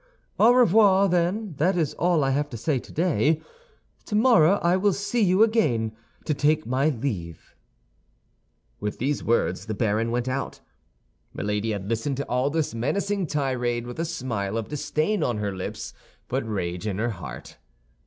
"Au revoir, then; that is all I have to say today. Tomorrow I will see you again, to take my leave." With these words the baron went out. Milady had listened to all this menacing tirade with a smile of disdain on her lips, but rage in her heart.